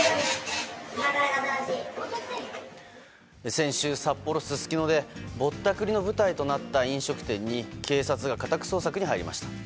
先週、札幌・すすきのでぼったくりの舞台となった飲食店に警察が家宅捜索に入りました。